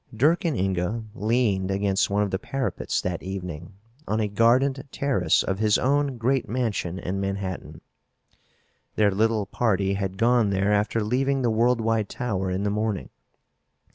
Dirk and Inga leaned against one of the parapets that evening on a gardened terrace of his own great mansion in Manhattan. Their little party had gone there after leaving the Worldwide Tower in the morning.